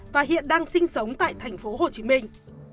và hiện đang sinh sống tại thành phố hồ chí minh